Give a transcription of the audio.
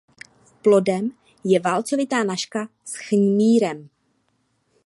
Plodem je válcovitá nažka s chmýrem.